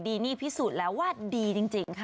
นี่พิสูจน์แล้วว่าดีจริงค่ะ